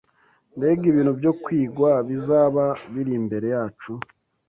Mbega ibintu byo kwigwa bizaba biri imbere yacu!